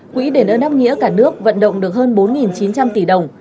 quỹ đền ơn đáp nghĩa cả nước vận động được hơn bốn chín trăm linh tỷ đồng